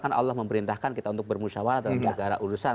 karena allah memberintahkan kita untuk bermusyawarah dalam segala urusan